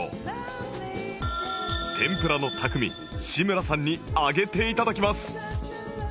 天ぷらの匠志村さんに揚げて頂きます